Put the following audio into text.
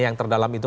yang terdalam itu